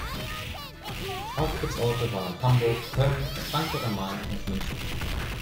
Auftrittsorte waren Hamburg, Köln, Frankfurt am Main, und München.